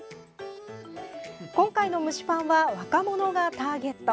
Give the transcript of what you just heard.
今回の蒸しパンは若者がターゲット。